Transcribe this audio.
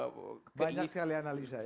banyak sekali analisa ya